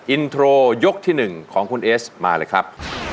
อินโทรยกที่๑ของคุณเอสมาเลยครับ